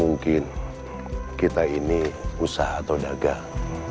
mungkin kita ini usaha atau dagang